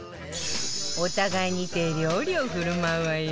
お互いに手料理を振る舞うわよ